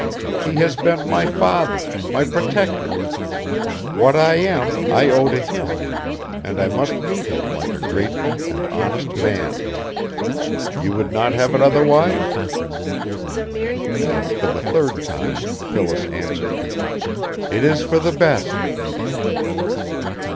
He has been my father, my protector. What I am I owe to him, and I must meet him like a grateful and honest man. You would not have it otherwise?" And for the third time Phyllis answered: "It is for the best."